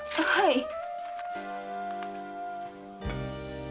はい。